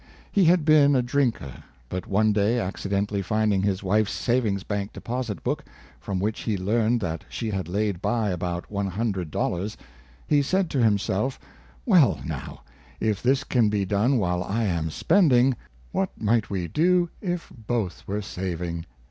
He had been a drinker, but one day accidently finding his wife's savings bank deposit book, from which he learned that she had laid by about $100, he said to himself, " Well, now, if this can be done while I am spending, what might we do if both were saving.